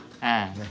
ねっ。